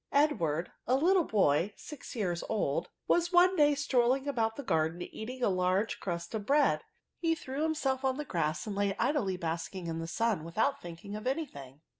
Edward, a little boy, six years old, was one day strolling about the garden eating a large crust of bread: he threw himself on the grass, and lay idly basking in the sun H INTERJECTIONS. IDS without thiiiking of any tiling.